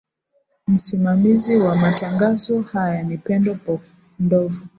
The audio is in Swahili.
msimamizi wa matangazo haya ni pendo po ndovi